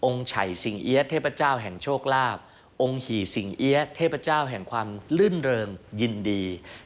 ไฉสิงเอี๊ยดเทพเจ้าแห่งโชคลาภองค์หี่สิงเอี๊ยะเทพเจ้าแห่งความลื่นเริงยินดี